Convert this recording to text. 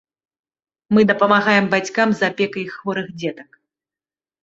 Мы дапамагаем бацькам з апекай іх хворых дзетак.